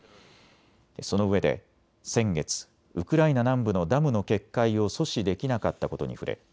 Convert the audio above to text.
そのうえで先月、ウクライナ南部のダムの決壊を阻止できなかったことに触れ